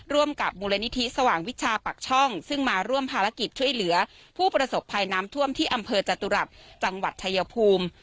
ร่วมกับมูลนิธิสว่างวิชาปักช่องซึ่งมาร่วมภารกิจช่วยเหลือผู้ประสบภัยน้ำท่วมที่อำเภอจตุรัสจังหวัดชายภูมิ